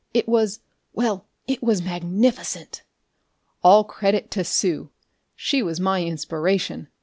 It was well, it was magnificent!" "All credit to Sue: she was my inspiration!"